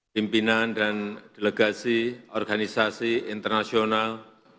pimpinan dan delegasi organisasi internasional